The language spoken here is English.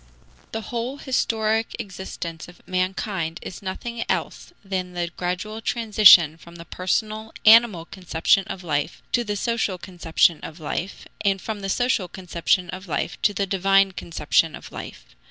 The whole historic existence of mankind is nothing else than the gradual transition from the personal, animal conception of life to the social conception of life, and from the social conception of life to the divine conception of life.